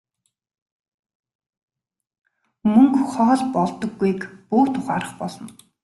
Мөнгө хоол болдоггүйг бүгд ухаарах болно.